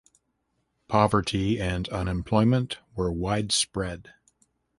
Poverty and unemployment were widespread.